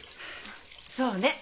そうね！